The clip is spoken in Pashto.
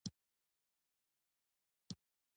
فریدګل د نازي افسر مړي ته ولاړ و